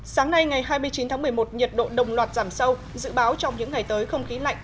sáng nay ngày hai mươi chín tháng một mươi một nhiệt độ đồng loạt giảm sâu dự báo trong những ngày tới không khí lạnh